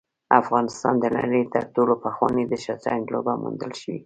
افغانستان د نړۍ تر ټولو پخوانی د شطرنج لوبه موندل شوې